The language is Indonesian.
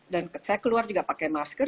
dan saya keluar juga pakai masker